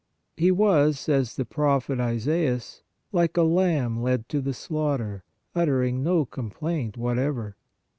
He was, says the Prophet Isaias, " like a lamb led to the slaughter, uttering no complaint whatever."